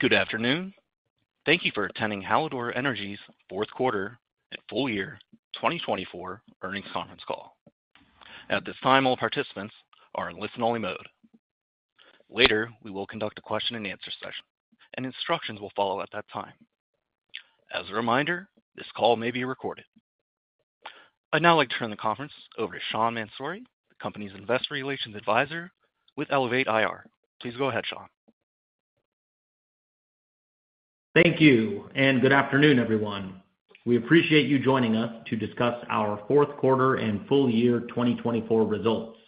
Good afternoon. Thank you for attending Hallador Energy's fourth quarter and full year 2024 earnings conference call. At this time, all participants are in listen-only mode. Later, we will conduct a question-and-answer session, and instructions will follow at that time. As a reminder, this call may be recorded. I'd now like to turn the conference over to Sean Mansouri, the company's investor relations advisor with Elevate IR. Please go ahead, Sean. Thank you, and good afternoon, everyone. We appreciate you joining us to discuss our fourth quarter and full year 2024 results.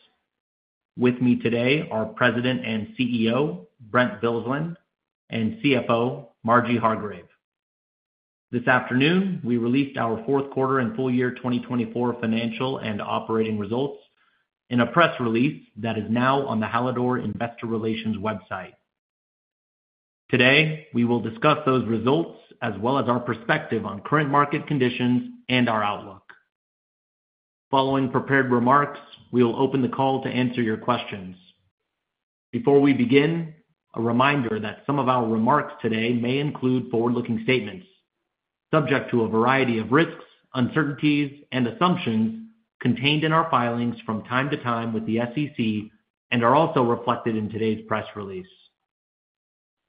With me today are President and CEO Brent Bilsland and CFO Marjorie Hargrave. This afternoon, we released our fourth quarter and full year 2024 financial and operating results in a press release that is now on the Hallador Investor Relations website. Today, we will discuss those results as well as our perspective on current market conditions and our outlook. Following prepared remarks, we will open the call to answer your questions. Before we begin, a reminder that some of our remarks today may include forward-looking statements subject to a variety of risks, uncertainties, and assumptions contained in our filings from time to time with the SEC and are also reflected in today's press release.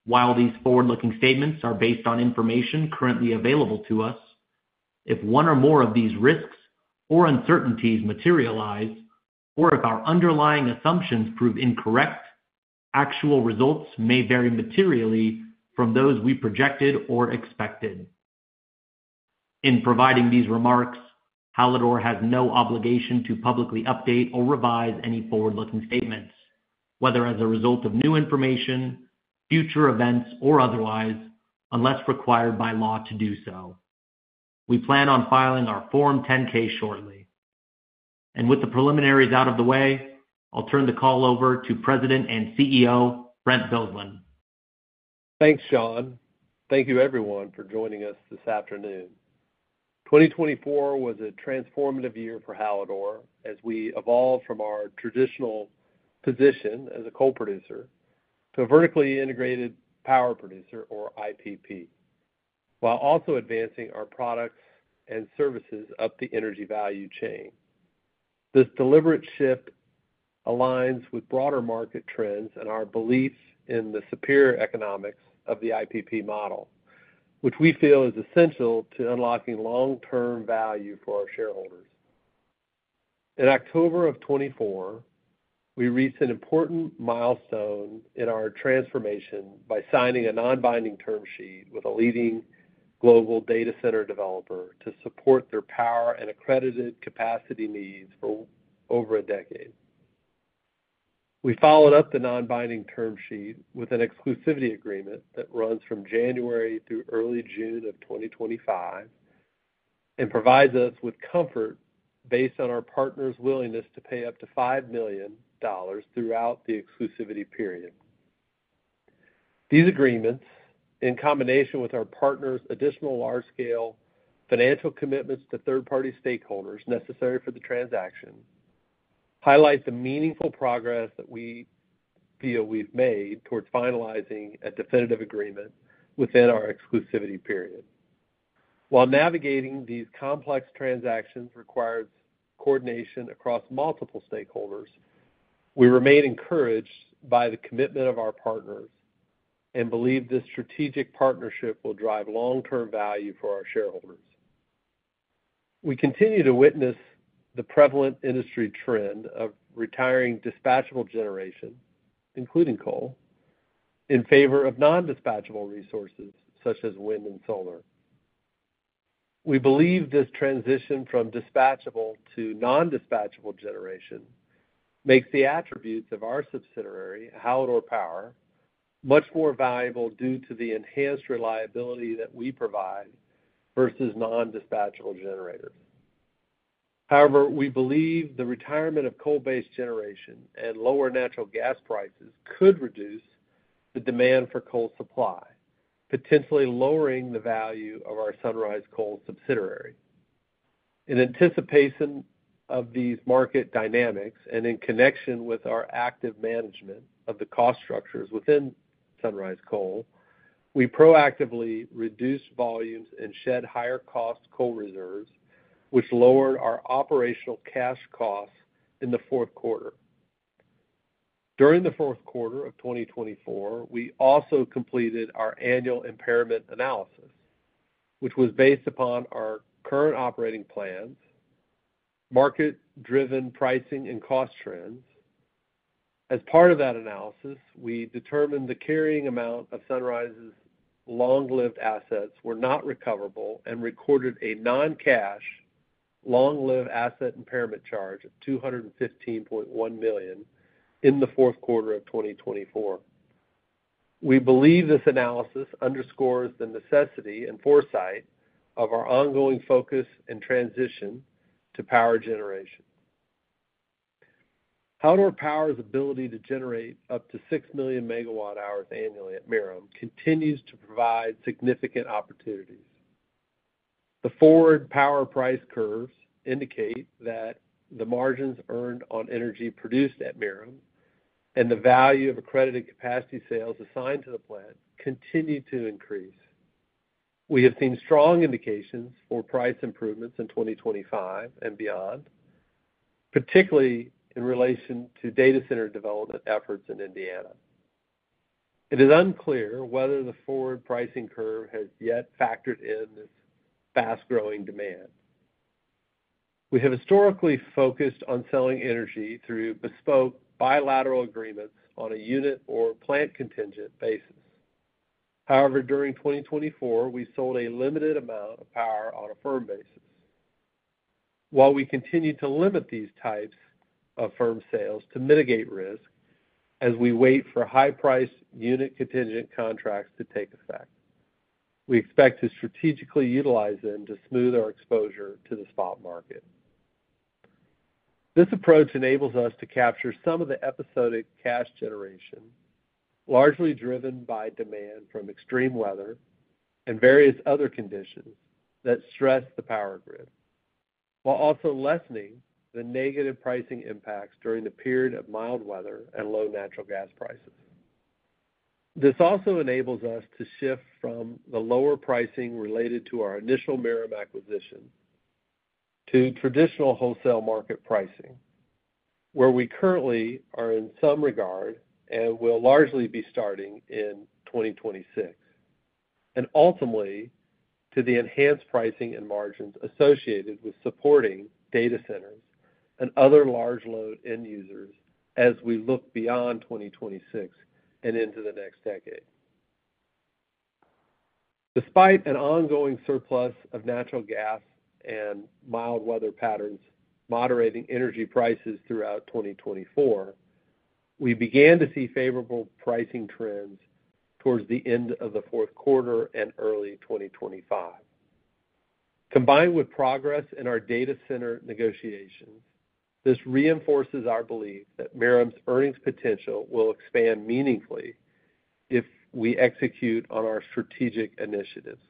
While these forward-looking statements are based on information currently available to us, if one or more of these risks or uncertainties materialize, or if our underlying assumptions prove incorrect, actual results may vary materially from those we projected or expected. In providing these remarks, Hallador has no obligation to publicly update or revise any forward-looking statements, whether as a result of new information, future events, or otherwise, unless required by law to do so. We plan on filing our Form 10-K shortly. With the preliminaries out of the way, I'll turn the call over to President and CEO Brent Bilsland. Thanks, Sean. Thank you, everyone, for joining us this afternoon. 2024 was a transformative year for Hallador as we evolved from our traditional position as a coal producer to a vertically integrated power producer, or IPP, while also advancing our products and services up the energy value chain. This deliberate shift aligns with broader market trends and our belief in the superior economics of the IPP model, which we feel is essential to unlocking long-term value for our shareholders. In October of 2024, we reached an important milestone in our transformation by signing a non-binding term sheet with a leading global data center developer to support their power and accredited capacity needs for over a decade. We followed up the non-binding term sheet with an exclusivity agreement that runs from January through early June of 2025 and provides us with comfort based on our partners' willingness to pay up to $5 million throughout the exclusivity period. These agreements, in combination with our partners' additional large-scale financial commitments to third-party stakeholders necessary for the transaction, highlight the meaningful progress that we feel we've made towards finalizing a definitive agreement within our exclusivity period. While navigating these complex transactions requires coordination across multiple stakeholders, we remain encouraged by the commitment of our partners and believe this strategic partnership will drive long-term value for our shareholders. We continue to witness the prevalent industry trend of retiring dispatchable generation, including coal, in favor of non-dispatchable resources such as wind and solar. We believe this transition from dispatchable to non-dispatchable generation makes the attributes of our subsidiary, Hallador Power, much more valuable due to the enhanced reliability that we provide versus non-dispatchable generators. However, we believe the retirement of coal-based generation and lower natural gas prices could reduce the demand for coal supply, potentially lowering the value of our Sunrise Coal subsidiary. In anticipation of these market dynamics and in connection with our active management of the cost structures within Sunrise Coal, we proactively reduced volumes and shed higher-cost coal reserves, which lowered our operational cash costs in the fourth quarter. During the fourth quarter of 2024, we also completed our annual impairment analysis, which was based upon our current operating plans, market-driven pricing, and cost trends. As part of that analysis, we determined the carrying amount of Sunrise's long-lived assets were not recoverable and recorded a non-cash long-lived asset impairment charge of $215.1 million in the fourth quarter of 2024. We believe this analysis underscores the necessity and foresight of our ongoing focus and transition to power generation. Hallador Power's ability to generate up to 6 million MWh annually at Merom continues to provide significant opportunities. The forward power price curves indicate that the margins earned on energy produced at Merom and the value of accredited capacity sales assigned to the plant continue to increase. We have seen strong indications for price improvements in 2025 and beyond, particularly in relation to data center development efforts in Indiana. It is unclear whether the forward pricing curve has yet factored in this fast-growing demand. We have historically focused on selling energy through bespoke bilateral agreements on a unit or plant contingent basis. However, during 2024, we sold a limited amount of power on a firm basis. While we continue to limit these types of firm sales to mitigate risk as we wait for high-priced unit contingent contracts to take effect, we expect to strategically utilize them to smooth our exposure to the spot market. This approach enables us to capture some of the episodic cash generation, largely driven by demand from extreme weather and various other conditions that stress the power grid, while also lessening the negative pricing impacts during the period of mild weather and low natural gas prices. This also enables us to shift from the lower pricing related to our initial Merom acquisition to traditional wholesale market pricing, where we currently are in some regard and will largely be starting in 2026, and ultimately to the enhanced pricing and margins associated with supporting data centers and other large-load end users as we look beyond 2026 and into the next decade. Despite an ongoing surplus of natural gas and mild weather patterns moderating energy prices throughout 2024, we began to see favorable pricing trends towards the end of the fourth quarter and early 2025. Combined with progress in our data center negotiations, this reinforces our belief that Merom's earnings potential will expand meaningfully if we execute on our strategic initiatives.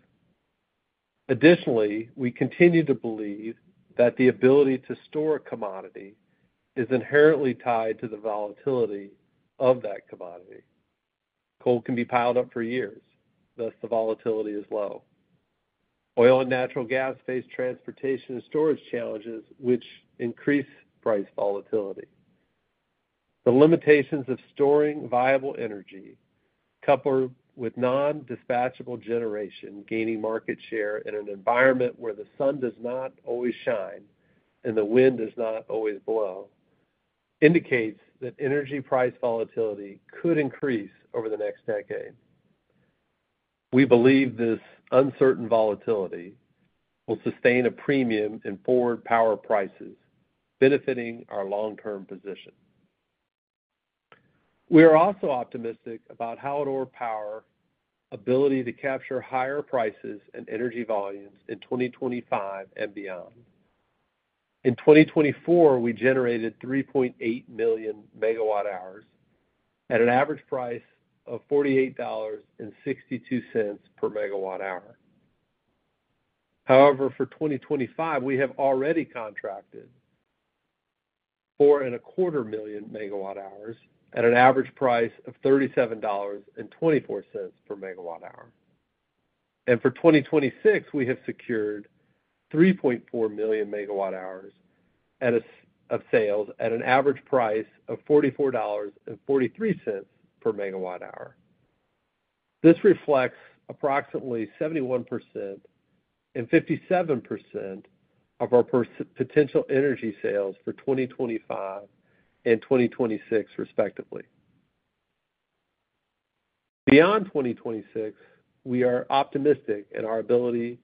Additionally, we continue to believe that the ability to store a commodity is inherently tied to the volatility of that commodity. Coal can be piled up for years, thus, the volatility is low. Oil and natural gas face transportation and storage challenges, which increase price volatility. The limitations of storing viable energy, coupled with non-dispatchable generation gaining market share in an environment where the sun does not always shine and the wind does not always blow, indicate that energy price volatility could increase over the next decade. We believe this uncertain volatility will sustain a premium in forward power prices, benefiting our long-term position. We are also optimistic about Hallador Power's ability to capture higher prices and energy volumes in 2025 and beyond. In 2024, we generated 3.8 million MWh at an average price of $48.62 per MWh. However, for 2025, we have already contracted for 250,000 MWh at an average price of $37.24 per MW. For 2026, we have secured 3.4 million MWh of sales at an average price of $44.43 per MW. This reflects approximately 71% and 57% of our potential energy sales for 2025 and 2026, respectively. Beyond 2026, we are optimistic in our ability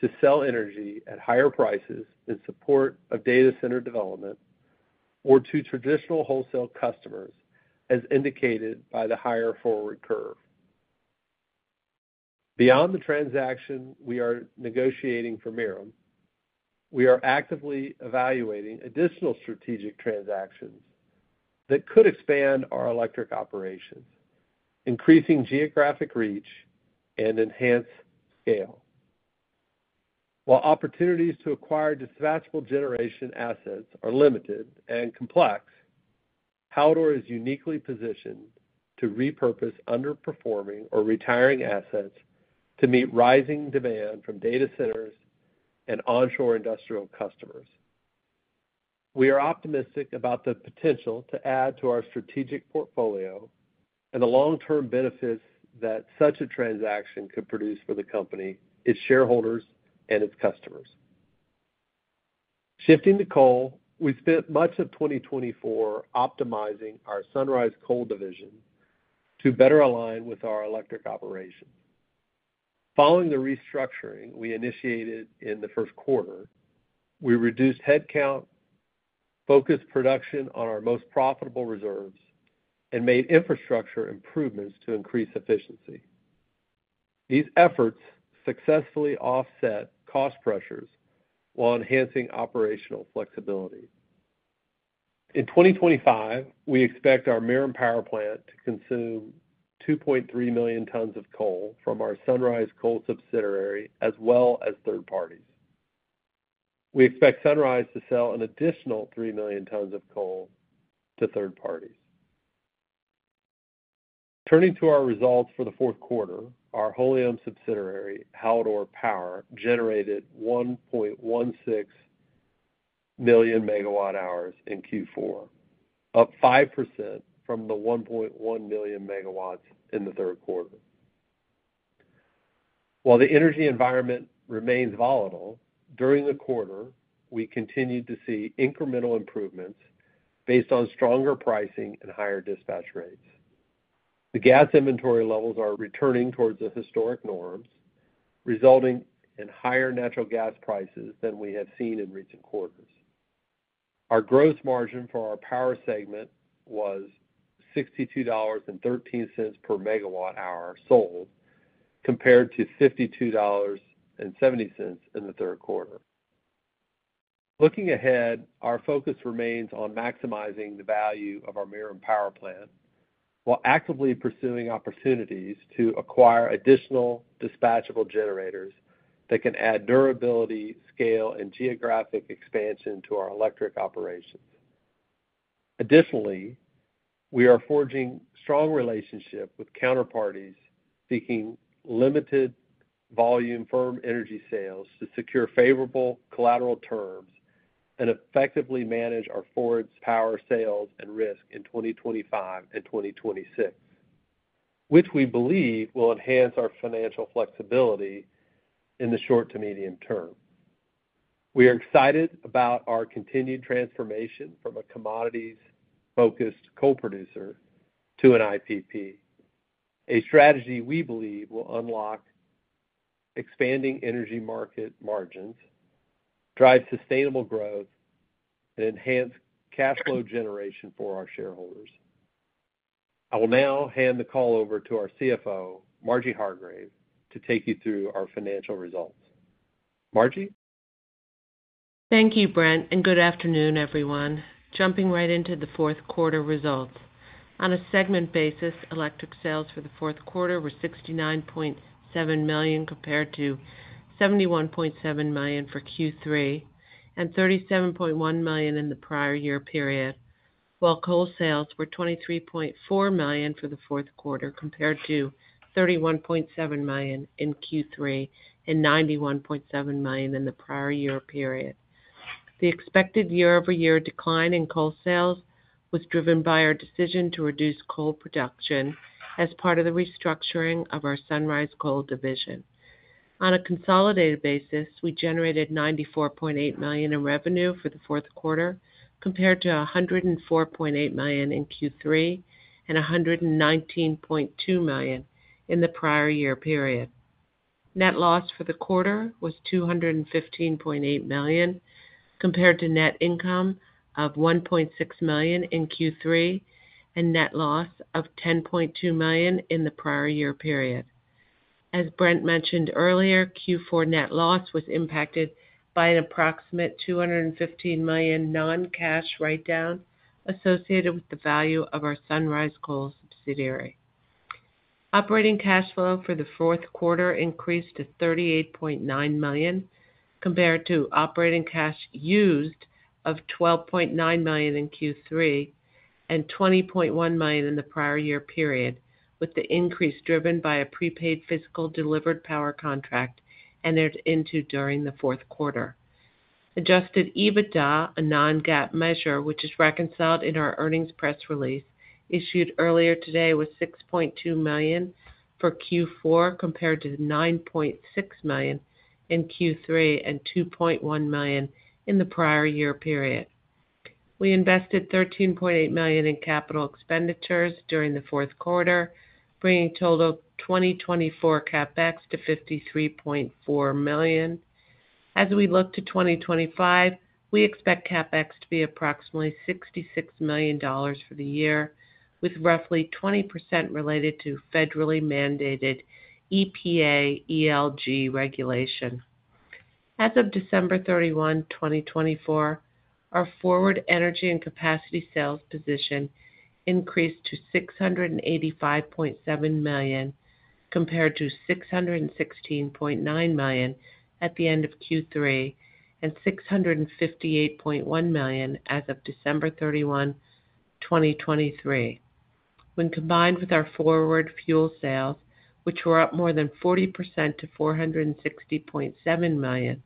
to sell energy at higher prices in support of data center development or to traditional wholesale customers, as indicated by the higher forward curve. Beyond the transaction we are negotiating for Merom, we are actively evaluating additional strategic transactions that could expand our electric operations, increase geographic reach, and enhance scale. While opportunities to acquire dispatchable generation assets are limited and complex, Hallador is uniquely positioned to repurpose underperforming or retiring assets to meet rising demand from data centers and onshore industrial customers. We are optimistic about the potential to add to our strategic portfolio and the long-term benefits that such a transaction could produce for the company, its shareholders, and its customers. Shifting to coal, we spent much of 2024 optimizing our Sunrise Coal division to better align with our electric operations. Following the restructuring we initiated in the first quarter, we reduced headcount, focused production on our most profitable reserves, and made infrastructure improvements to increase efficiency. These efforts successfully offset cost pressures while enhancing operational flexibility. In 2025, we expect our Merom Power plant to consume 2.3 million tons of coal from our Sunrise Coal subsidiary as well as third parties. We expect Sunrise to sell an additional 3 million tons of coal to third parties. Turning to our results for the fourth quarter, our Hallador Power subsidiary generated 1.16 million MWh in Q4, up 5% from the 1.1 million MWh in the third quarter. While the energy environment remains volatile, during the quarter, we continued to see incremental improvements based on stronger pricing and higher dispatch rates. The gas inventory levels are returning towards the historic norms, resulting in higher natural gas prices than we have seen in recent quarters. Our gross margin for our power segment was $62.13 per MW sold, compared to $52.70 in the third quarter. Looking ahead, our focus remains on maximizing the value of our Merom Power plant while actively pursuing opportunities to acquire additional dispatchable generators that can add durability, scale, and geographic expansion to our electric operations. Additionally, we are forging strong relationships with counterparties seeking limited-volume firm energy sales to secure favorable collateral terms and effectively manage our forward power sales and risk in 2025 and 2026, which we believe will enhance our financial flexibility in the short to medium term. We are excited about our continued transformation from a commodities-focused coal producer to an IPP, a strategy we believe will unlock expanding energy market margins, drive sustainable growth, and enhance cash flow generation for our shareholders. I will now hand the call over to our CFO, Marjorie Hargrave, to take you through our financial results. Marjorie. Thank you, Brent. And good afternoon, everyone. Jumping right into the fourth quarter results. On a segment basis, electric sales for the fourth quarter were $69.7 million compared to $71.7 million for Q3 and $37.1 million in the prior year period, while coal sales were $23.4 million for the fourth quarter compared to $31.7 million in Q3 and $91.7 million in the prior year period. The expected year-over-year decline in coal sales was driven by our decision to reduce coal production as part of the restructuring of our Sunrise Coal division. On a consolidated basis, we generated $94.8 million in revenue for the fourth quarter compared to $104.8 million in Q3 and $119.2 million in the prior year period. Net loss for the quarter was $215.8 million compared to net income of $1.6 million in Q3 and net loss of $10.2 million in the prior year period. As Brent mentioned earlier, Q4 net loss was impacted by an approximate $215 million non-cash write-down associated with the value of our Sunrise Coal subsidiary. Operating cash flow for the fourth quarter increased to $38.9 million compared to operating cash used of $12.9 million in Q3 and $20.1 million in the prior year period, with the increase driven by a prepaid physical delivered power contract entered into during the fourth quarter. Adjusted EBITDA, a non-GAAP measure which is reconciled in our earnings press release issued earlier today, was $6.2 million for Q4 compared to $9.6 million in Q3 and $2.1 million in the prior year period. We invested $13.8 million in capital expenditures during the fourth quarter, bringing total 2024 CapEx to $53.4 million. As we look to 2025, we expect CapEx to be approximately $66 million for the year, with roughly 20% related to federally mandated EPA/ELG regulation. As of December 31, 2024, our forward energy and capacity sales position increased to $685.7 million compared to $616.9 million at the end of Q3 and $658.1 million as of December 31, 2023. When combined with our forward fuel sales, which were up more than 40% to $460.7 million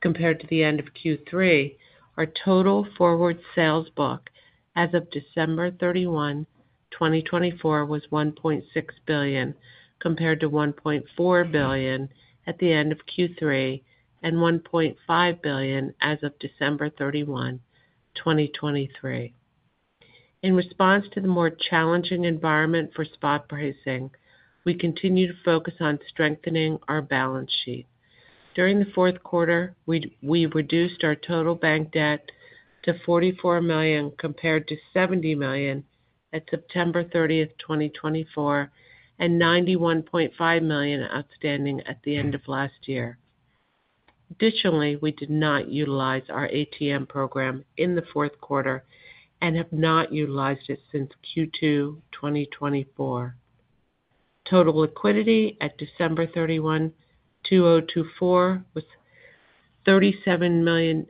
compared to the end of Q3, our total forward sales book as of December 31, 2024, was $1.6 billion compared to $1.4 billion at the end of Q3 and $1.5 billion as of December 31, 2023. In response to the more challenging environment for spot pricing, we continue to focus on strengthening our balance sheet. During the fourth quarter, we reduced our total bank debt to $44 million compared to $70 million at September 30, 2024, and $91.5 million outstanding at the end of last year. Additionally, we did not utilize our ATM program in the fourth quarter and have not utilized it since Q2 2024. Total liquidity at December 31, 2024, was $37.8 million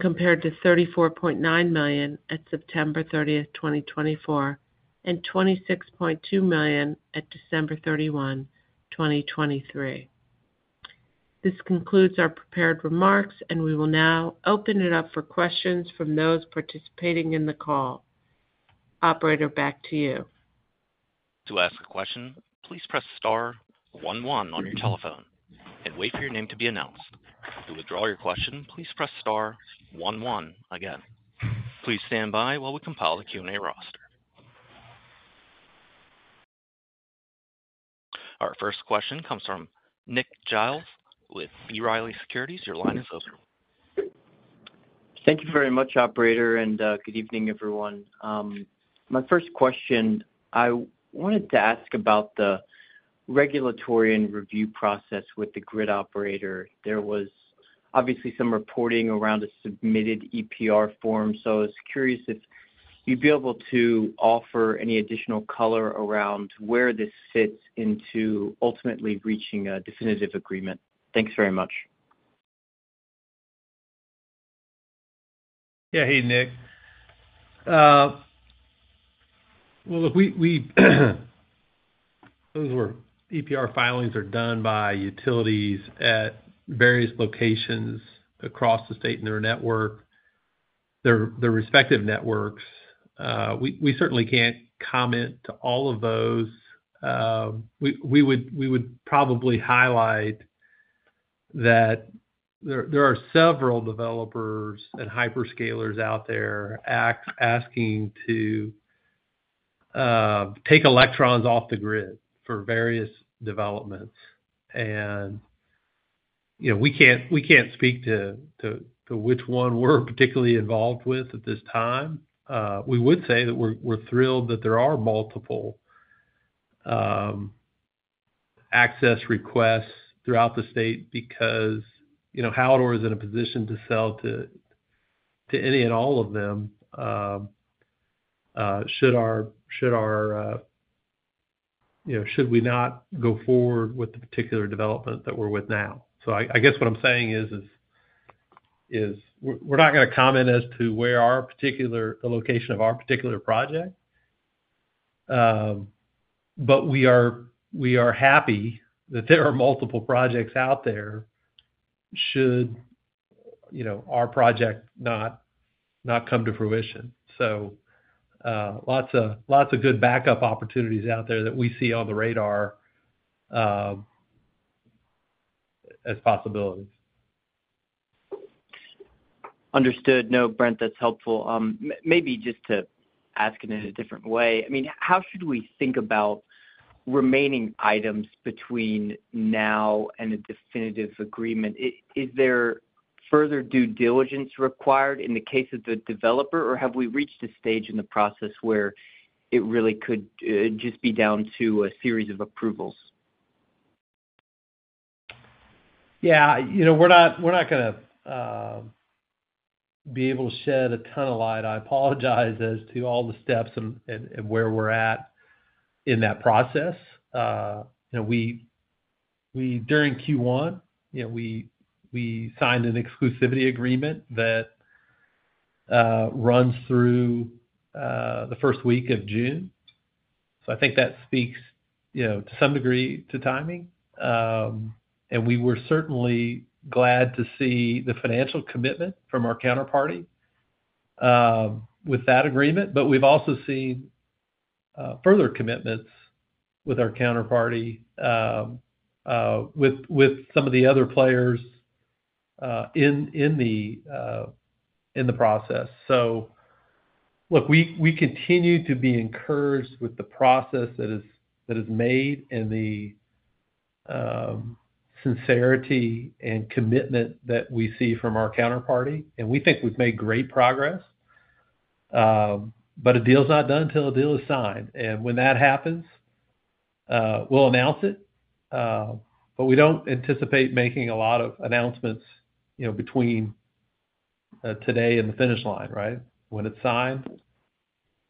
compared to $34.9 million at September 30, 2024, and $26.2 million at December 31, 2023. This concludes our prepared remarks, and we will now open it up for questions from those participating in the call. Operator, back to you. To ask a question, please press star one one on your telephone and wait for your name to be announced. To withdraw your question, please press star one one again. Please stand by while we compile the Q&A roster. Our first question comes from Nick Giles with B. Riley Securities. Your line is open. Thank you very much operator, and good evening, everyone. My first question, I wanted to ask about the regulatory and review process with the grid operator. There was obviously some reporting around a submitted EPR form, so I was curious if you'd be able to offer any additional color around where this fits into ultimately reaching a definitive agreement. Thanks very much. Yeah. Hey, Nick. Look, those EPR filings are done by utilities at various locations across the state in their network, their respective networks. We certainly can't comment to all of those. We would probably highlight that there are several developers and hyperscalers out there asking to take electrons off the grid for various developments. We can't speak to which one we're particularly involved with at this time. We would say that we're thrilled that there are multiple access requests throughout the state because Hallador is in a position to sell to any and all of them should we not go forward with the particular development that we're with now. I guess what I'm saying is we're not going to comment as to the location of our particular project, but we are happy that there are multiple projects out there should our project not come to fruition. Lots of good backup opportunities out there that we see on the radar as possibilities. Understood. No, Brent, that's helpful. Maybe just to ask in a different way, I mean, how should we think about remaining items between now and a definitive agreement? Is there further due diligence required in the case of the developer, or have we reached a stage in the process where it really could just be down to a series of approvals? Yeah. We're not going to be able to shed a ton of light. I apologize as to all the steps and where we're at in that process. During Q1, we signed an exclusivity agreement that runs through the first week of June. I think that speaks to some degree to timing. We were certainly glad to see the financial commitment from our counterparty with that agreement. We have also seen further commitments with our counterparty, with some of the other players in the process. Look, we continue to be encouraged with the process that is made and the sincerity and commitment that we see from our counterparty. We think we have made great progress, but a deal is not done until a deal is signed. When that happens, we will announce it. We do not anticipate making a lot of announcements between today and the finish line, right? When it is signed, then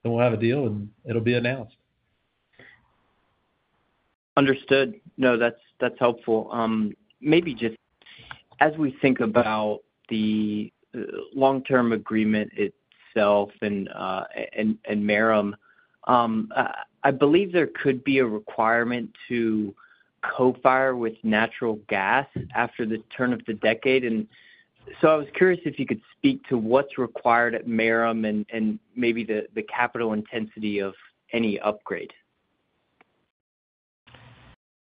we will have a deal and it will be announced. Understood. No, that is helpful. Maybe just as we think about the long-term agreement itself and Merom, I believe there could be a requirement to co-fire with natural gas after the turn of the decade. I was curious if you could speak to what's required at Merom and maybe the capital intensity of any upgrade.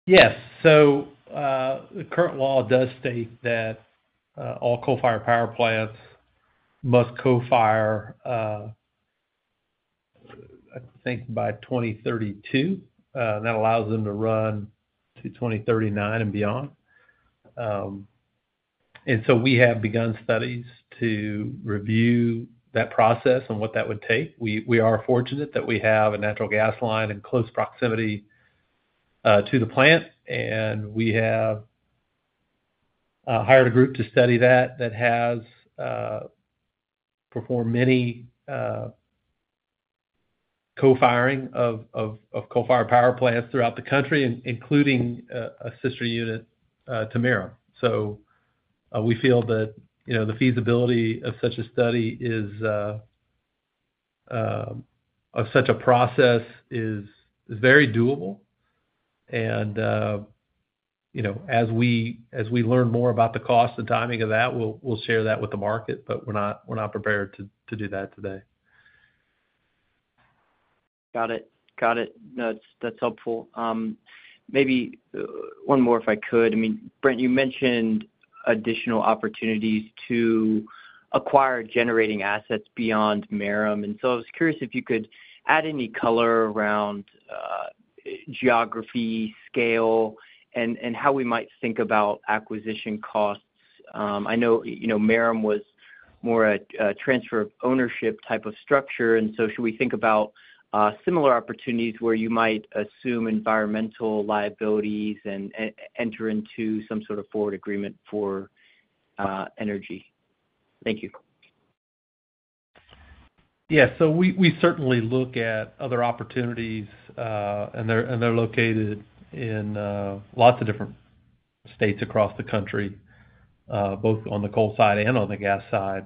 Yes. The current law does state that all coal-fired power plants must co-fire, I think, by 2032. That allows them to run to 2039 and beyond. We have begun studies to review that process and what that would take. We are fortunate that we have a natural gas line in close proximity to the plant, and we have hired a group to study that that has performed many co-firing of coal-fired power plants throughout the country, including a sister unit to Merom. We feel that the feasibility of such a study, of such a process, is very doable. As we learn more about the cost and timing of that, we'll share that with the market, but we're not prepared to do that today. Got it. Got it. No, that's helpful. Maybe one more, if I could. I mean, Brent, you mentioned additional opportunities to acquire generating assets beyond Merom. I was curious if you could add any color around geography, scale, and how we might think about acquisition costs. I know Merom was more a transfer of ownership type of structure. Should we think about similar opportunities where you might assume environmental liabilities and enter into some sort of forward agreement for energy? Thank you. Yeah. We certainly look at other opportunities, and they're located in lots of different states across the country, both on the coal side and on the gas side.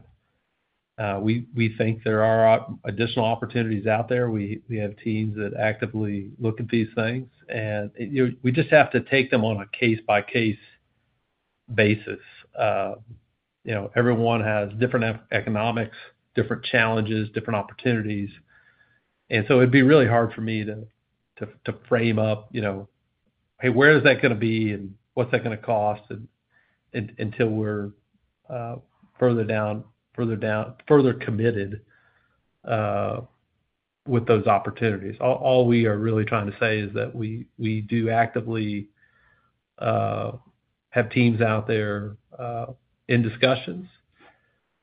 We think there are additional opportunities out there. We have teams that actively look at these things, and we just have to take them on a case-by-case basis. Everyone has different economics, different challenges, different opportunities. It would be really hard for me to frame up, "Hey, where is that going to be and what's that going to cost?" until we're further committed with those opportunities. All we are really trying to say is that we do actively have teams out there in discussions,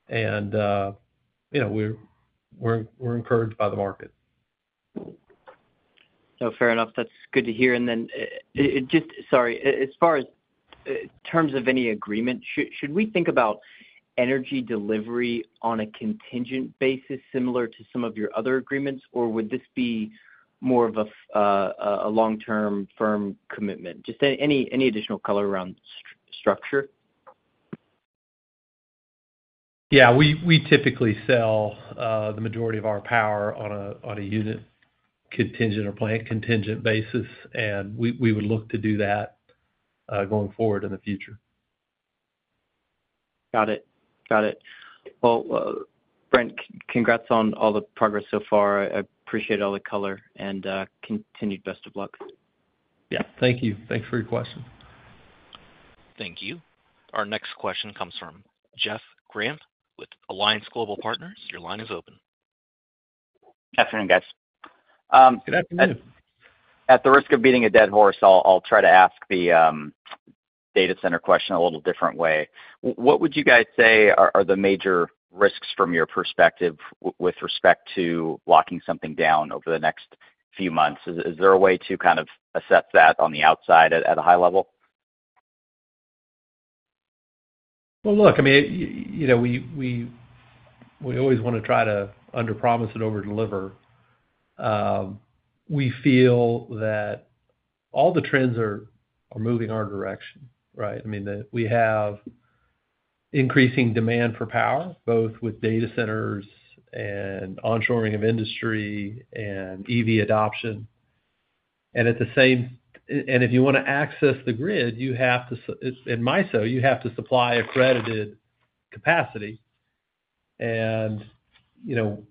and we're encouraged by the market. No, fair enough. That's good to hear. Just, sorry, as far as terms of any agreement, should we think about energy delivery on a contingent basis similar to some of your other agreements, or would this be more of a long-term firm commitment? Just any additional color around structure. Yeah. We typically sell the majority of our power on a unit contingent or plant contingent basis, and we would look to do that going forward in the future. Got it. Got it. Brent, congrats on all the progress so far. I appreciate all the color and continued best of luck. Yeah. Thank you. Thanks for your question. Thank you. Our next question comes from Jeff Grant with Alliance Global Partners. Your line is open. Good afternoon, guys. Good afternoon. At the risk of beating a dead horse, I'll try to ask the data center question a little different way. What would you guys say are the major risks from your perspective with respect to locking something down over the next few months? Is there a way to kind of assess that on the outside at a high level? Look, I mean, we always want to try to underpromise and overdeliver. We feel that all the trends are moving our direction, right? I mean, we have increasing demand for power, both with data centers and onshoring of industry and EV adoption. At the same time, if you want to access the grid, you have to, and MISO, you have to supply accredited capacity. We have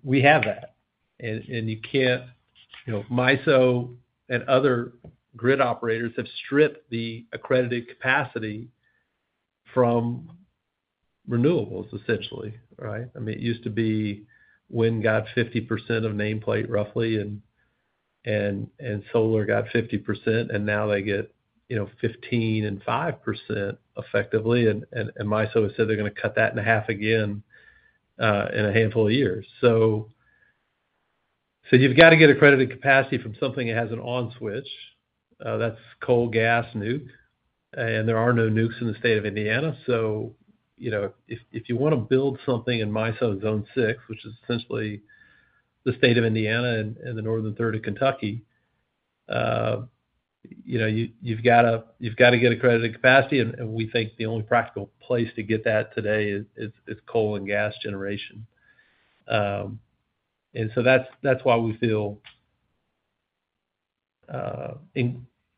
that. You cannot, MISO and other grid operators have stripped the accredited capacity from renewables, essentially, right? I mean, it used to be wind got 50% of nameplate, roughly, and solar got 50%, and now they get 15% and 5% effectively. MISO has said they're going to cut that in half again in a handful of years. You have to get accredited capacity from something that has an on switch. That's coal, gas, nuke. There are no nukes in the state of Indiana. If you want to build something in MISO Zone 6, which is essentially the state of Indiana and the northern third of Kentucky, you have to get accredited capacity. We think the only practical place to get that today is coal and gas generation. That is why we feel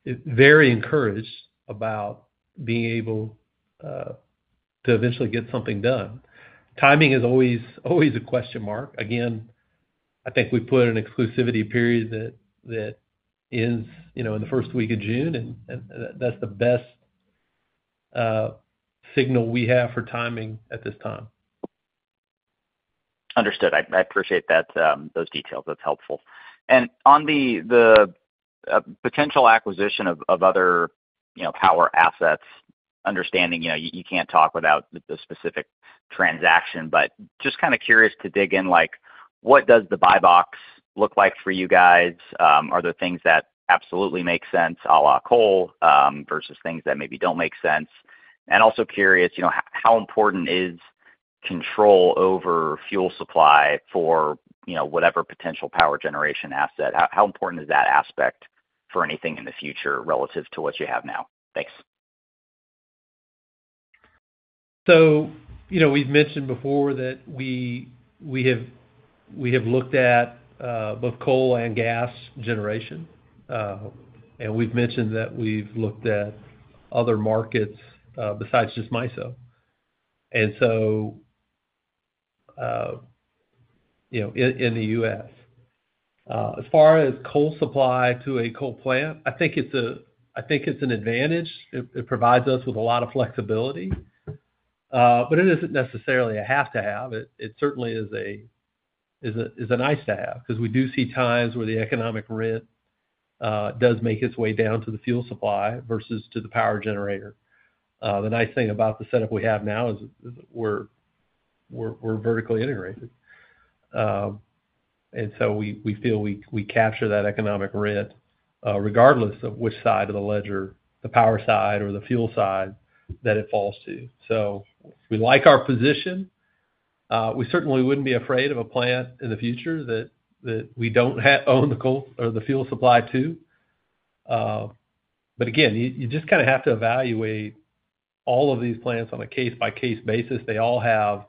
very encouraged about being able to eventually get something done. Timing is always a question mark. I think we put an exclusivity period that ends in the first week of June, and that's the best signal we have for timing at this time. Understood. I appreciate those details. That's helpful. On the potential acquisition of other power assets, understanding you can't talk without the specific transaction, just kind of curious to dig in, what does the buy box look like for you guys? Are there things that absolutely make sense, a la coal, versus things that maybe don't make sense? Also curious, how important is control over fuel supply for whatever potential power generation asset? How important is that aspect for anything in the future relative to what you have now? Thanks. We have mentioned before that we have looked at both coal and gas generation, and we have mentioned that we have looked at other markets besides just MISO. In the U.S., as far as coal supply to a coal plant, I think it's an advantage. It provides us with a lot of flexibility, but it isn't necessarily a have-to-have. It certainly is a nice-to-have because we do see times where the economic rent does make its way down to the fuel supply versus to the power generator. The nice thing about the setup we have now is we're vertically integrated. We feel we capture that economic rent regardless of which side of the ledger, the power side or the fuel side, that it falls to. We like our position. We certainly wouldn't be afraid of a plant in the future that we don't own the coal or the fuel supply to. Again, you just kind of have to evaluate all of these plants on a case-by-case basis. They all have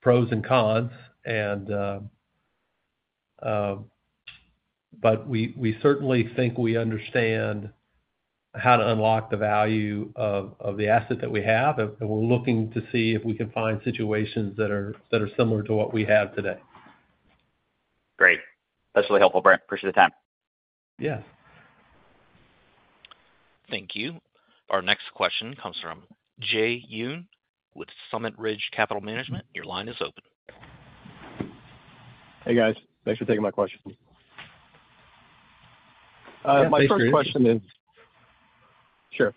pros and cons, but we certainly think we understand how to unlock the value of the asset that we have. We're looking to see if we can find situations that are similar to what we have today. Great. That's really helpful, Brent. Appreciate the time. Yes. Thank you. Our next question comes from Jay Yun with Summit Ridge Capital Management. Your line is open. Hey, guys. Thanks for taking my question. My first question is. Sure.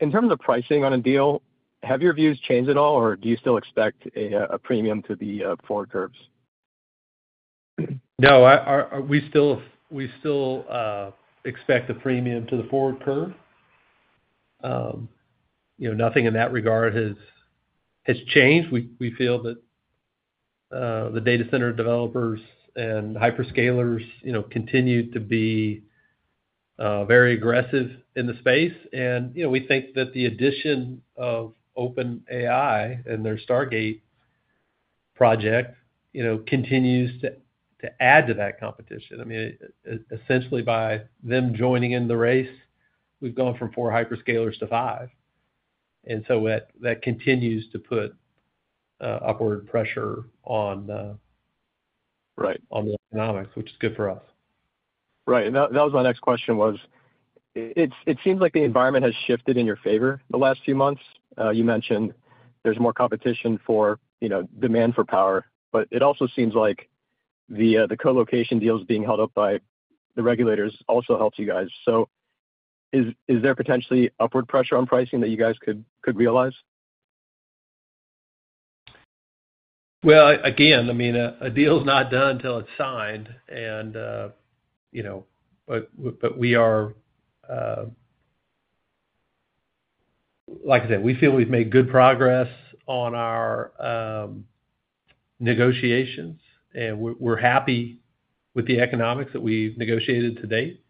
In terms of pricing on a deal, have your views changed at all, or do you still expect a premium to the forward curves? No, we still expect a premium to the forward curve. Nothing in that regard has changed. We feel that the data center developers and hyperscalers continue to be very aggressive in the space. We think that the addition of OpenAI and their Stargate Project continues to add to that competition. I mean, essentially, by them joining in the race, we've gone from four hyperscalers to five. That continues to put upward pressure on the economics, which is good for us. Right. That was my next question, it seems like the environment has shifted in your favor the last few months. You mentioned there's more competition for demand for power, but it also seems like the co-location deals being held up by the regulators also helps you guys. Is there potentially upward pressure on pricing that you guys could realize? Again, I mean, a deal is not done until it's signed. We are, like I said, we feel we've made good progress on our negotiations, and we're happy with the economics that we've negotiated to date.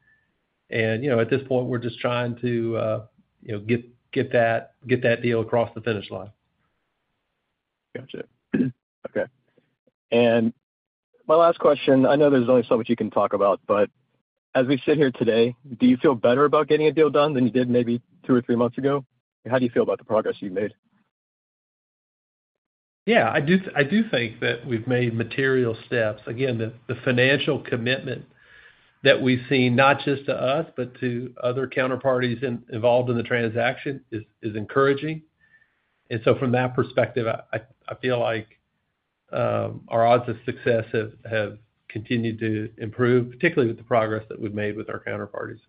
At this point, we're just trying to get that deal across the finish line. Gotcha. Okay. My last question, I know there's only so much you can talk about, but as we sit here today, do you feel better about getting a deal done than you did maybe two or three months ago? How do you feel about the progress you've made? Yeah. I do think that we've made material steps. Again, the financial commitment that we've seen, not just to us, but to other counterparties involved in the transaction, is encouraging. From that perspective, I feel like our odds of success have continued to improve, particularly with the progress that we've made with our counterparties.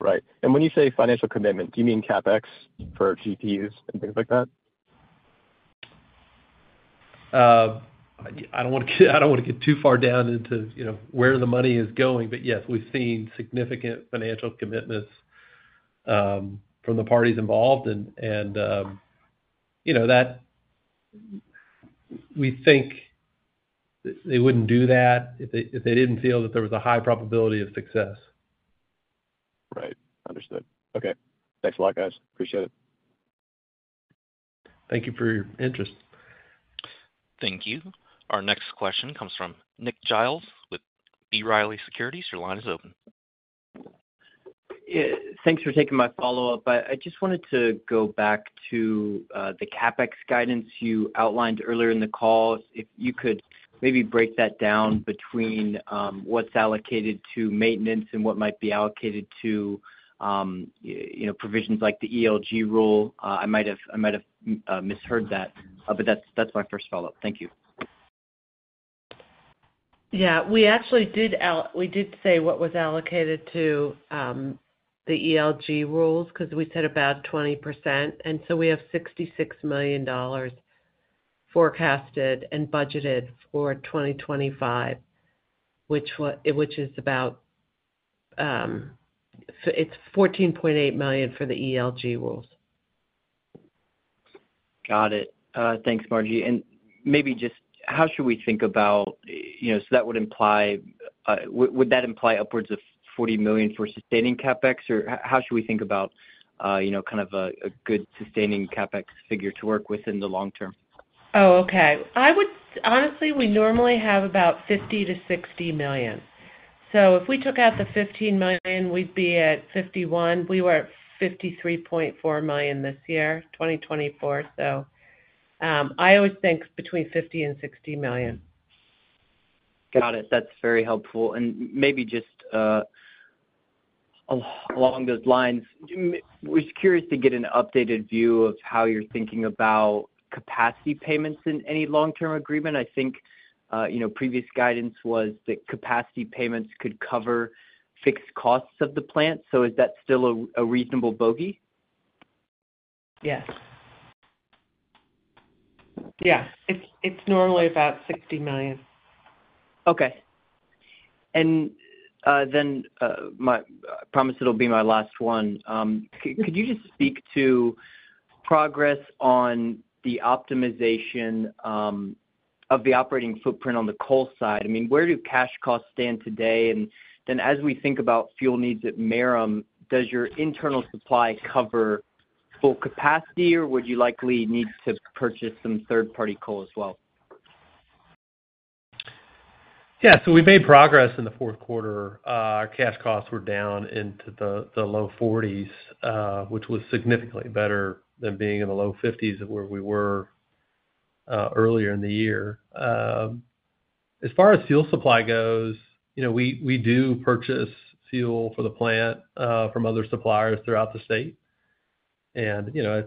Right. When you say financial commitment, do you mean CapEx for GPUs and things like that? I don't want to get too far down into where the money is going, but yes, we've seen significant financial commitments from the parties involved. We think they wouldn't do that if they didn't feel that there was a high probability of success. Right. Understood. Okay. Thanks a lot, guys. Appreciate it. Thank you for your interest. Thank you. Our next question comes from Nick Giles with B. Riley Securities. Your line is open. Thanks for taking my follow-up. I just wanted to go back to the CapEx guidance you outlined earlier in the call. If you could maybe break that down between what's allocated to maintenance and what might be allocated to provisions like the ELG rule. I might have misheard that, but that's my first follow-up. Thank you. Yeah. We actually did say what was allocated to the ELG rules because we said about 20%. We have $66 million forecasted and budgeted for 2025, which is about $14.8 million for the ELG rules. Got it. Thanks, Marjorie. Maybe just how should we think about, so that would imply, would that imply upwards of $40 million for sustaining CapEx, or how should we think about kind of a good sustaining CapEx figure to work with in the long term? Okay. Honestly, we normally have about $50 million-$60 million. If we took out the $15 million, we would be at $51 million. We were at $53.4 million this year, 2024. I always think between $50 million and $60 million. Got it. That is very helpful. Maybe just along those lines, we are just curious to get an updated view of how you are thinking about capacity payments in any long-term agreement. I think previous guidance was that capacity payments could cover fixed costs of the plant. Is that still a reasonable bogey? Yes. Yeah. It is normally about $60 million. Okay. I promise it'll be my last one. Could you just speak to progress on the optimization of the operating footprint on the coal side? I mean, where do cash costs stand today? As we think about fuel needs at Merom, does your internal supply cover full capacity, or would you likely need to purchase some third-party coal as well? Yeah. We made progress in the fourth quarter. Our cash costs were down into the low $40 millions, which was significantly better than being in the low $50 millions where we were earlier in the year. As far as fuel supply goes, we do purchase fuel for the plant from other suppliers throughout the state. That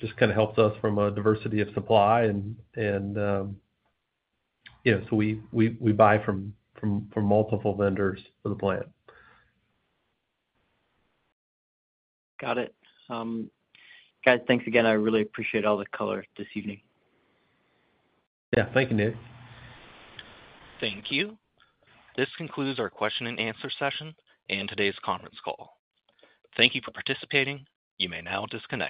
just kind of helps us from a diversity of supply. We buy from multiple vendors for the plant. Got it. Guys, thanks again. I really appreciate all the color this evening. Yeah. Thank you, Nick. Thank you. This concludes our question-and-answer session and today's conference call. Thank you for participating. You may now disconnect.